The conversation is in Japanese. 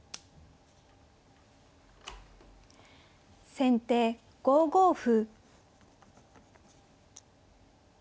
先手５五歩。